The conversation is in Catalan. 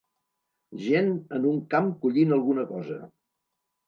Gent en un camp collint alguna cosa.